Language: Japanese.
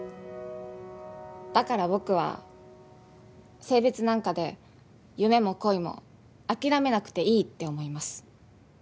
だから僕は性別なんかで夢も恋も諦めなくていいって思います。